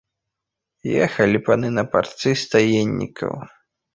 Ехалі паны на парцы стаеннікаў.